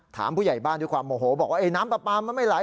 ผู้ใหญ่บ้านด้วยความโมโหบอกว่าไอ้น้ำปลาปลามันไม่ไหล